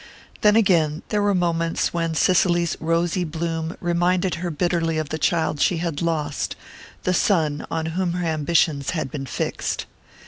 Then again, there were moments when Cicely's rosy bloom reminded her bitterly of the child she had lost the son on whom her ambitions had been fixed.